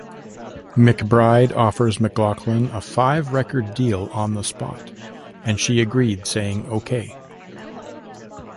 McBride offered McLachlan a five-record deal on the spot, and she agreed, saying Ok.